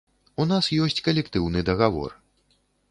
У нас ёсць калектыўны дагавор.